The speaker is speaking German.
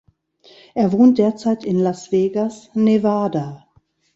Er wohnt derzeit in Las Vegas, Nevada.